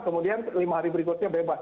kemudian lima hari berikutnya bebas